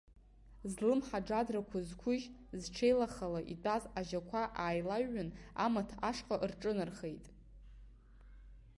Злымҳа џадрақәа зқәыжь, зҽеилахала итәаз ажьақәа ааилҩҩын, амаҭ ашҟа рҿынархеит.